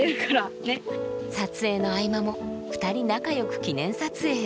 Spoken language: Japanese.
撮影の合間も２人仲よく記念撮影。